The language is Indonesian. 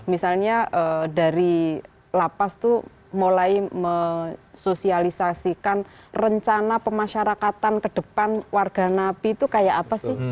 misalnya dari lapas itu mulai mensosialisasikan rencana pemasyarakatan ke depan warga napi itu kayak apa sih